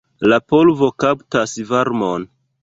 La polvo kaptas varmon.